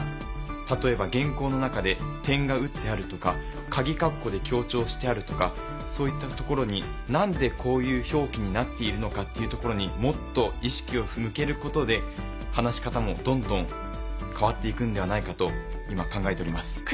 例えば原稿の中で点が打ってあるとかかぎかっこで強調してあるとかそういったところに何でこういう表記になっているのかっていうところにもっと意識を向けることで話し方もどんどん変わって行くんではないかと今考えております。